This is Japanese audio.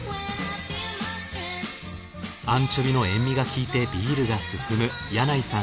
アンチョビの塩味が効いてビールが進む柳井さん